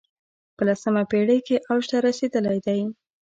په لسمه پېړۍ کې اوج ته رسېدلی دی